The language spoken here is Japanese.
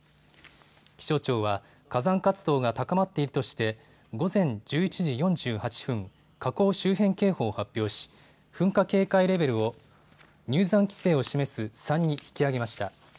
気象庁は火山活動が高まっているとして午前１１時４８分、火口周辺警報を発表し噴火警戒レベルを入山規制を示す３に引き上げました。